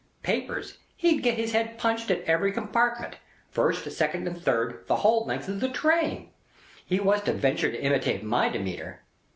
Papers, he'd get his head punched at every compartment, first, second and third, the whole length of a train, if he was to ventur to imitate my demeanour.